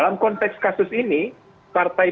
pemilu yang terkasih adalah penggunaan kekuatan